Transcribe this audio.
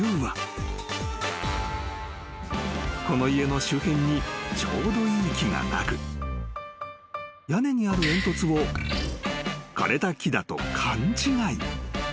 ［この家の周辺にちょうどいい木がなく屋根にある煙突を枯れた木だと勘違い］